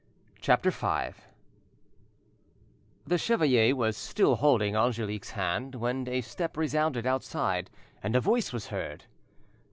CHAPTER V The chevalier was still holding Angelique's hand when a step resounded outside, and a voice was heard.